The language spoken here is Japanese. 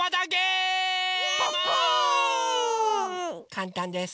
かんたんです。